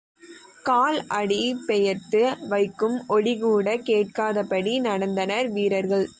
கால் அடி பெயர்த்து வைக்கும் ஒலிகூடக் கேட்காதபடி நடந்தனர் வீரர்கள்.